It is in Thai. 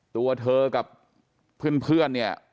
ตัวเธอกับเพื่อนเนี่ย